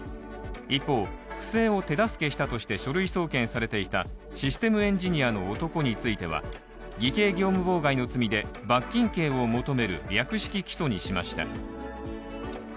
一方、不正を手助けしたとして書類送検されていたシステムエンジニアの男については偽計業務妨害の罪で罰金刑を求める略式起訴にしました。